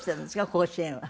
甲子園は。